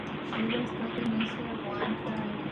La localidad tuvo durante la edad media murallas y castillo.